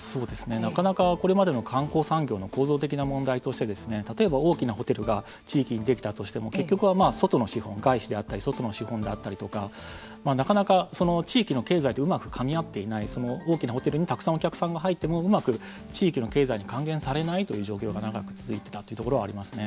なかなかこれまでの観光産業の構造的な問題として例えば大きなホテルが地域にできたとしても結局は外の資本外資であったり外の資本であったりとかなかなか地域の経済とうまくかみ合っていない大きなホテルにたくさんお客さんが入ってもうまく地域の経済に還元されないという状況が長く続いていたというところがありますね。